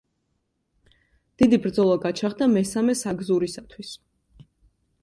დიდი ბრძოლა გაჩაღდა მესამე საგზურისათვის.